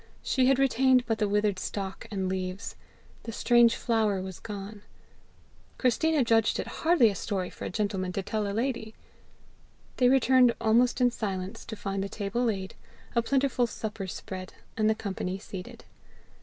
She had retained but the withered stalk and leaves; the strange flower was gone. Christina judged it hardly a story for a gentleman to tell a lady. They returned almost in silence to find the table laid, a plentiful supper spread, and the company seated.